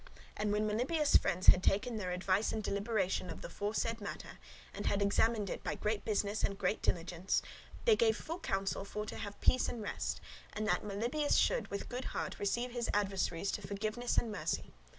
And when Melibœus' friends had taken their advice and deliberation of the foresaid matter, and had examined it by great business and great diligence, they gave full counsel for to have peace and rest, and that Melibœus should with good heart receive his adversaries to forgiveness and mercy.